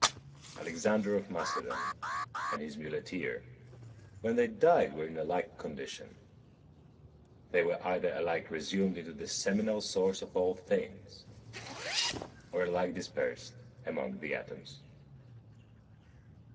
24. Alexander of Macedon and his muleteer, when they died, were in a like condition. They were either alike resumed into the seminal source of all things, or alike dispersed among the atoms.